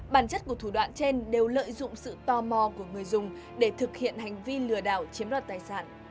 bản chất của thủ đoạn trên đều lợi dụng sự tò mò của người dùng để thực hiện hành vi lừa đảo chiếm đoạt tài sản